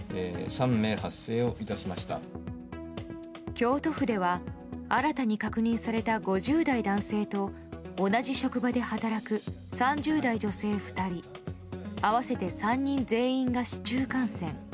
京都府では新たに確認された５０代男性と同じ職場で働く３０代女性２人合わせて３人全員が市中感染。